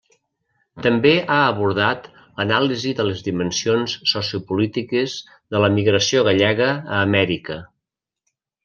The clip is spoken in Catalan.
També ha abordat l'anàlisi de les dimensions sociopolítiques de l'emigració gallega a Amèrica.